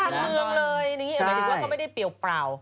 จากเมืองเลยนี่แบบนี้ก็ไม่ได้เปรียบเปล่า